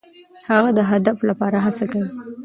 هغه د هدف لپاره هڅه کوي.